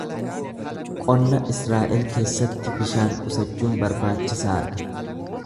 Qonna Israa’el keessatti bishaan qusachuun barbaachisaa dha.